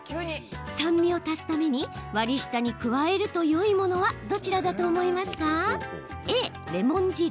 酸味を足すために割り下に加えるとよいものはどちらだと思いますか？